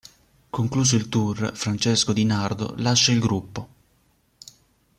Concluso il tour, Francesco Di Nardo lascia il gruppo.